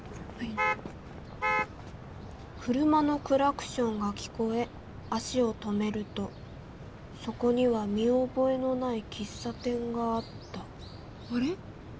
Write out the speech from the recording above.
・車のクラクションが聞こえ足を止めるとそこには見覚えのない喫茶店があったあれ？